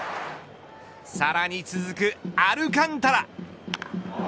さらに続くアルカンタラ。